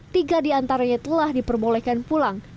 tiga di antaranya telah diperbolehkan pulang